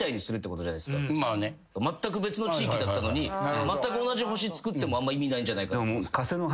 まったく別の地域だったのにまったく同じ星つくってもあんま意味ないんじゃないか。